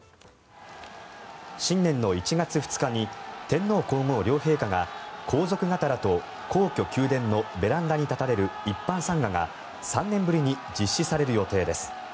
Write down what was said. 新年の１月２日に天皇・皇后両陛下が皇族方らと皇居・宮殿のベランダに立たれる一般参賀が３年ぶりに実施される予定です。